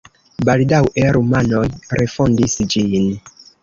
Baldaŭe rumanoj refondis ĝin.